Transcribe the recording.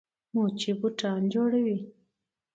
موچي بوټان جوړوي.